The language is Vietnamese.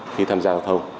khi tham gia giao thông